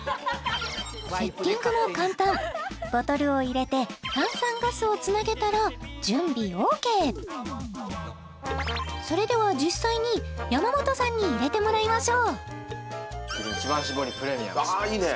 セッティングも簡単ボトルを入れてそれでは実際に山本さんに入れてもらいましょうキリン一番搾りプレミアムああいいね！